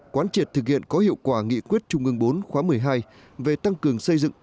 quán triệt thực hiện có hiệu quả nghị quyết trung ương bốn khóa một mươi hai về tăng cường xây dựng